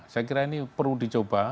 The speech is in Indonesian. saya kira ini perlu dicoba